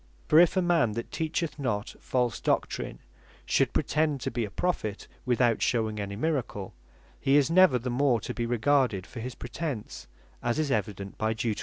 For if a man that teacheth not false Doctrine, should pretend to bee a Prophet without shewing any Miracle, he is never the more to bee regarded for his pretence, as is evident by Deut.